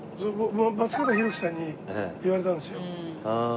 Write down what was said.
松方弘樹さんに言われたんですよ。